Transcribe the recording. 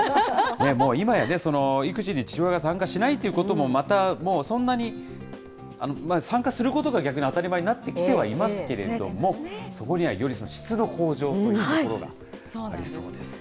もう今やね、育児に父親が参加しないということも、また、もうそんなに、参加することが逆に当たり前になってきてはいますけれども、そこにはより質の向上というところがありそうですね。